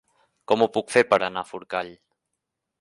Com ho puc fer per anar a Forcall?